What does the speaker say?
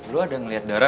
lo ada ngeliat dara gak